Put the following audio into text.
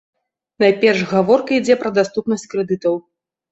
Найперш гаворка ідзе пра даступнасць крэдытаў.